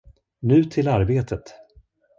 Nu till arbetet!